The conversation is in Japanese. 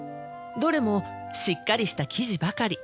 どれもしっかりした生地ばかり。